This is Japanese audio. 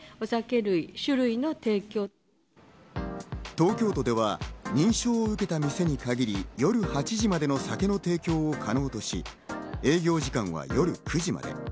東京都では認証を受けた店に限り夜８時までの酒の提供を可能とし、営業時間は夜９時まで。